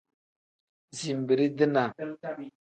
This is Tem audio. Zinbirii-dinaa.